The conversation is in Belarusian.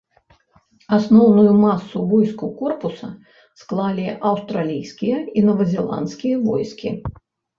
Асноўную масу войскаў корпуса склалі аўстралійскія і новазеландскія войскі.